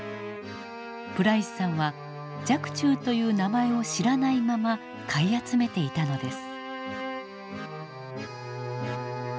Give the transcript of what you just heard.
プライスさんは若冲という名前を知らないまま買い集めていたのです。